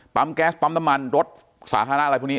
ปั๊มแก๊สปั๊มตำรรรถสาธารณะอะไรพวกนี้